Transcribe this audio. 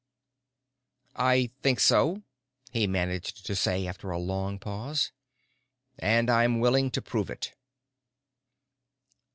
"I think so," he managed to say after a long pause. "And I'm willing to prove it."